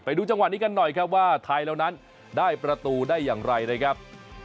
ดูจังหวะนี้กันหน่อยครับว่าไทยเรานั้นได้ประตูได้อย่างไรนะครับ